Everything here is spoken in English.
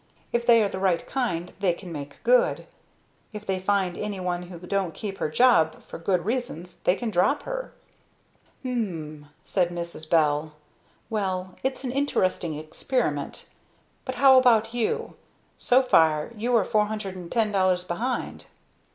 If they are the right kind they can make good. If they find anyone who don't keep her job for good reasons they can drop her." "M'm!" said Mrs. Bell. "Well, it's an interesting experiment. But how about you? So far you are $410 behind."